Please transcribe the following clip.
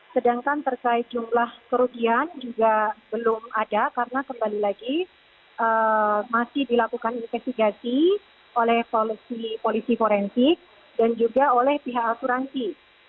sedangkan terkait jumlah kerugian juga belum ada karena kembali lagi masih dilakukan investigasi oleh polisi forensik dan juga oleh pihak asuransi